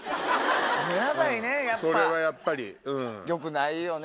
ごめんなさいねやっぱよくないよね。